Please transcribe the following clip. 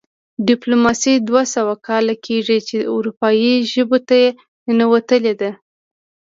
ډیپلوماسي دوه سوه کاله کیږي چې اروپايي ژبو ته ننوتلې ده